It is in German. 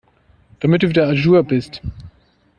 Damit du wieder à jour bist.